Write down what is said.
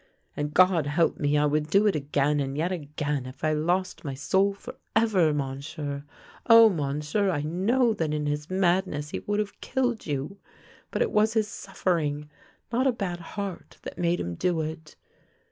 And, God help me! I would do it again and yet again, if I lost my soul forever. Monsieur. Oh, Monsieur, I know that in his madness he would have killed you, but it was his suffering, not a bad heart, that made him do it.